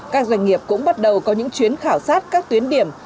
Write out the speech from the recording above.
các doanh nghiệp cũng bắt đầu có những chuyến khảo sát các tuyến điểm